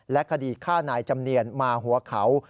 คดีฆ่านายจำเนียนมาหัวเขา